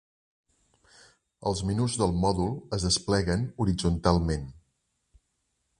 Els menús del mòdul es despleguen horitzontalment.